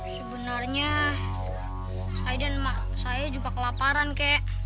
sebenarnya saya dan saya juga kelaparan kek